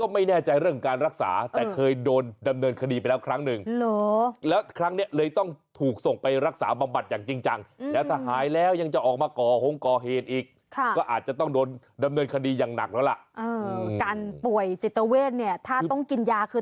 มันอาจจะไม่เข้าออกกับคนอื่นแต่มันเข้ากับผมไง